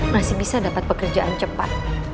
masih bisa dapat pekerjaan cepat